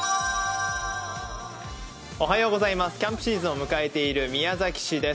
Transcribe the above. キャンプシーズンを迎えている宮崎市です。